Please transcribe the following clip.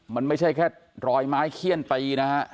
มันไม่ใช่แค่รอยไม้เขี้ยนไป